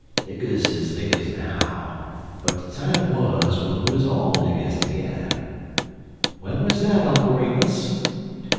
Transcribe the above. Niggers is niggers now, but de time wuz w'en we 'uz all niggers tergedder." "When was that, Uncle Remus?"